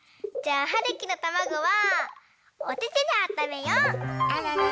じゃあはるきのたまごはおててであっためよう。